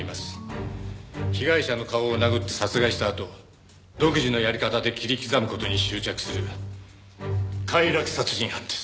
被害者の顔を殴って殺害したあと独自のやり方で切り刻む事に執着する快楽殺人犯です。